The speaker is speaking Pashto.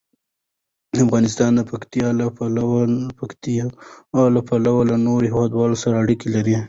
افغانستان د پکتیا له پلوه له نورو هېوادونو سره اړیکې لري.